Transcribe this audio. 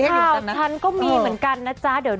ข่าวฉันก็มีเหมือนกันนะจ๊ะ